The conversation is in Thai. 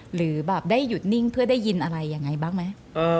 หรือแบบได้หยุดนิ่งเพื่อได้ยินอะไรยังไงบ้างไหม